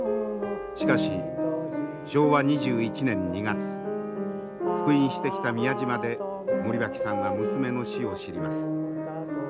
しかし昭和２１年２月復員してきた宮島で森脇さんは娘の死を知ります。